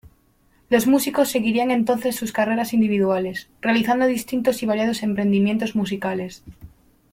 Los músicos seguirían entonces sus carreras individuales, realizando distintos y variados emprendimientos musicales.